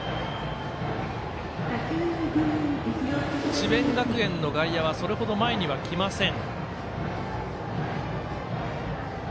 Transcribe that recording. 智弁学園の外野はそれほど前に来ません。